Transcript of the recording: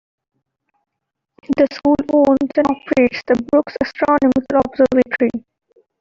The school owns and operates the Brooks Astronomical Observatory.